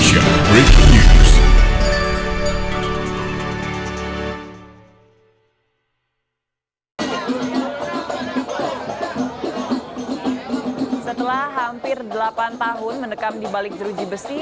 setelah hampir delapan tahun mendekam di balik jeruji besi